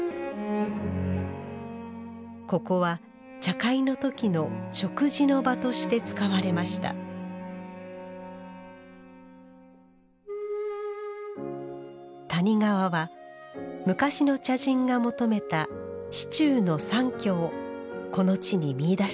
ここは茶会の時の食事の場として使われました谷川は昔の茶人が求めた「市中の山居」をこの地に見いだしたのです